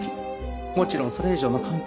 もちろんそれ以上の関係も。